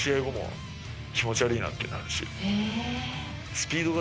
スピードが。